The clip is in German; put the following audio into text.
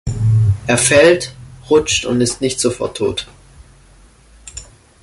Er fällt, rutscht und ist nicht sofort tot.